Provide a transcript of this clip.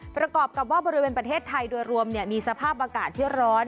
ประกอบกับว่าบริเวณประเทศไทยโดยรวมมีสภาพอากาศที่ร้อน